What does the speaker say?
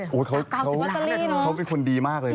๙๐บาทอัลลี่เนอะเขาเป็นคนดีมากเลยเนอะ